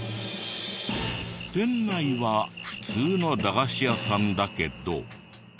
店内は普通の駄菓子屋さんだけど。